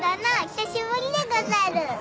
久しぶりでござる。